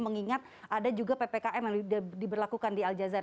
mengingat ada juga ppkm yang diberlakukan di al jazee